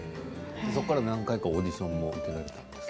そこから何回かオーディションを受けられたんですか？